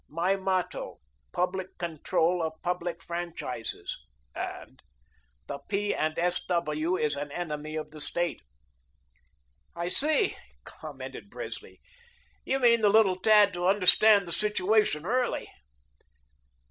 "My motto Public Control of Public Franchises," and "The P. and S. W. is an Enemy of the State." "I see," commented Presley, "you mean the little tad to understand 'the situation' early."